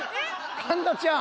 神田ちゃん。